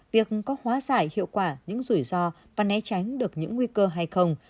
việc có hóa giải hiệu quả những rủi ro và né tránh được những nguy cơ hay không